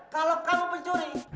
kalau kamu pencuri